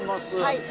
はい。